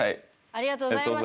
ありがとうございます。